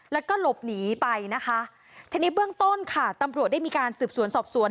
แล้วก็หลบหนีไปนะคะทีนี้เบื้องต้นค่ะตำรวจได้มีการสืบสวนสอบสวน